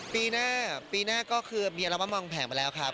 ปีหน้าปีหน้าก็คือมีอัลบั้มวางแผนมาแล้วครับ